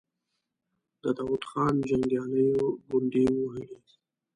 د داود خان جنګياليو ګونډې ووهلې.